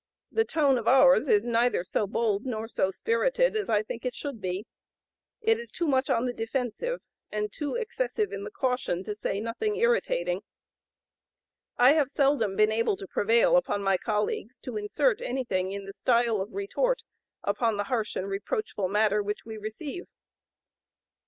The tone of ours is neither so bold nor so spirited as I think it should be. It is too much on the defensive, and too excessive in the caution to say nothing irritating. I have seldom been able to prevail upon my colleagues to insert anything in the style of retort upon the harsh and reproachful matter which we receive."